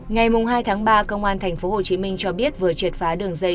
ngày hai ba công an thành phố hồ chí minh cho biết vừa trệt phá đường dây